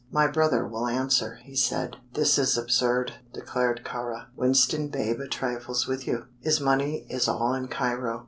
"My brother will answer," he said. "This is absurd," declared Kāra. "Winston Bey but trifles with you. His money is all in Cairo.